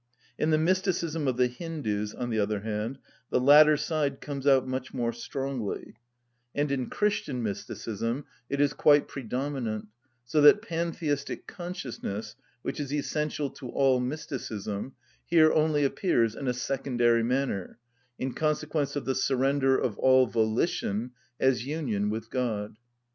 In the mysticism of the Hindus, on the other hand, the latter side comes out much more strongly, and in Christian mysticism it is quite predominant, so that pantheistic consciousness, which is essential to all mysticism, here only appears in a secondary manner, in consequence of the surrender of all volition, as union with God.